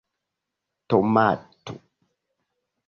tomato